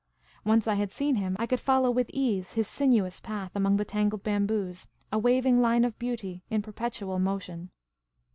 Once I had seen him, I could follow with ease his siiuious path among the tangled bamboos, a waving line of beauty in perpetual mo tion.